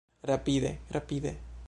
Rapide. Rapide.